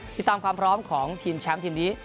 ติดตามความพร้อมของทีมแชมป์ทีมนี้